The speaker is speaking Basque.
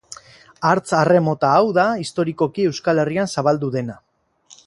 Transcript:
Hartz arre mota hau da historikoki Euskal Herrian zabaldu dena.